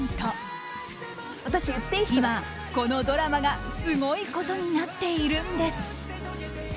今、このドラマがすごいことになっているんです。